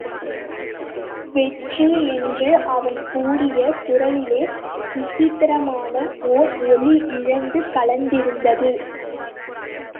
வெற்றி என்று அவன் கூறிய குரலிலே விசித்திரமான ஓர் ஒலி இழைந்து கலந்திருந்தது.